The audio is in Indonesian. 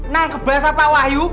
nangkep basah pak wahyu